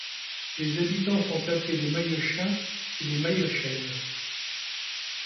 Ses habitants sont appelés les maillochains et les maillochaines.